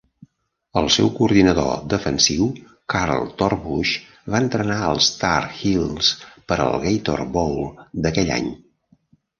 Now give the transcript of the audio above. El seu coordinador defensiu, Carl Torbush, va entrenar els Tar Heels per al Gator Bowl d'aquell any.